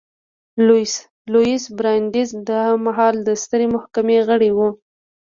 لویس براندیز دا مهال د سترې محکمې غړی و.